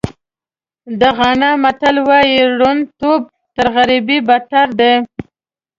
د غانا متل وایي ړوندتوب تر غریبۍ بدتر دی.